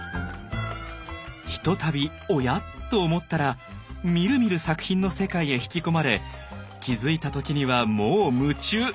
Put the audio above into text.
ひとたび「おや？」と思ったらみるみる作品の世界へ引き込まれ気付いた時にはもう夢中。